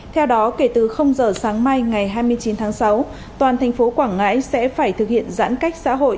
theo đó kể từ giờ sáng mai ngày hai mươi chín tháng sáu toàn thành phố quảng ngãi sẽ phải thực hiện giãn cách xã hội